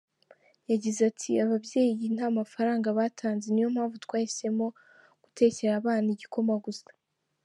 Yagize ati “Ababyeyi nta mafaranga batanze, niyo mpamvu twahisemo gutekera abana igikoma gusa.